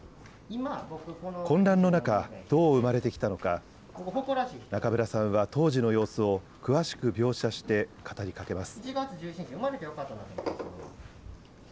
混乱の中、どう産まれてきたのか、中村さんは、当時の様子を詳しく描写して語りかけます。